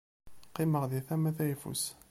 Qqimeɣ di tama tayeffus.